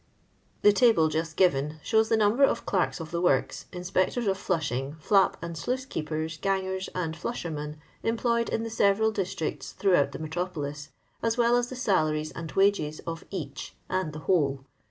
The table on p. 429 showa the number of clerks of the works, inspectors of flushing, flap and sluice keepers, gangers, and flushermen employed in the several districts throughout the metropolis, as well as the salaries and wages of each and the whole.